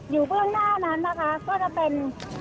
เบื้องหน้านั้นนะคะก็จะเป็น